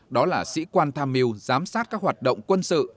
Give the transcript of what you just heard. đó là sĩ quan tham mưu giám sát các hoạt động quân sự